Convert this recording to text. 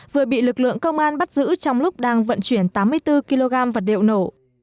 vừa bị lực lượng công an bắt giữ trong lúc đang vận chuyển tám mươi bốn kg vật liệu nổ